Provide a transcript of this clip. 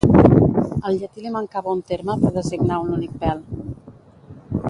Al llatí li mancava un terme per designar un únic pèl.